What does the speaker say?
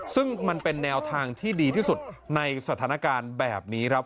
ซึ่งมันเป็นแนวทางที่ดีที่สุดในสถานการณ์แบบนี้ครับ